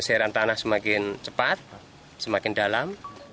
geseran tanah semakin cepat semakin dalam